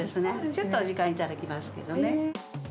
ちょっとお時間いただきますけどね。